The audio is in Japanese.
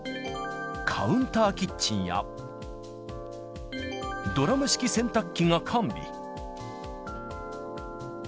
カウンターキッチンや、ドラム式洗濯機が完備。